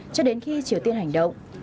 cho đến khi triều tiên hành động